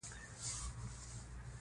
افغانستان د تالابونه له امله شهرت لري.